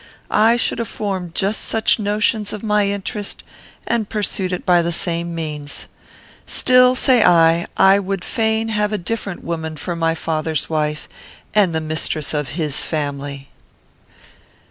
I should have formed just such notions of my interest, and pursued it by the same means. Still, say I, I would fain have a different woman for my father's wife, and the mistress of his family.'"